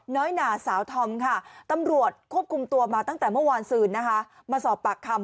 หนาสาวธอมค่ะตำรวจควบคุมตัวมาตั้งแต่เมื่อวานซืนนะคะมาสอบปากคำ